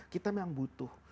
kita memang butuh